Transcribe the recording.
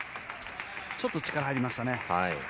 ちょっと力入りましたね。